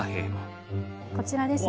こちらですね。